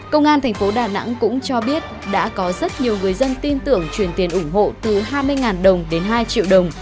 công an tp đà nẵng cũng cho biết đã có rất nhiều người dân tin tưởng truyền tiền ủng hộ từ hai mươi đồng đến hai triệu đồng